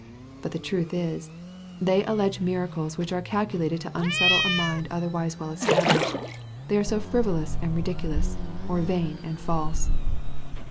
But the truth is, they allege miracles which are calculated to unsettle a mind otherwise well established, they are so frivolous and ridiculous, or vain and false.